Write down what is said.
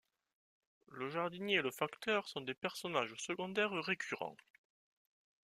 Le jardinier et le facteur sont des personnages secondaires récurrents.